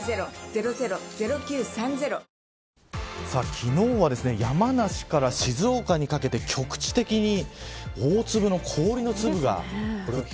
昨日は山梨から静岡にかけて局地的に大粒の氷の粒が降って。